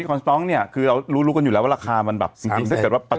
อ่าคอนสตรองค์เนี่ยคือเรารู้รู้กันอยู่แล้วว่าราคามันแบบสินทรีย์สักแค่วัน